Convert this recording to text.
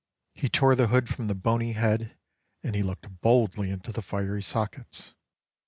He tore the hood from the bony head and looked boldly into the fiery sockets.